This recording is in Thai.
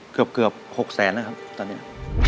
เกือบ๖แสนนะครับตอนนี้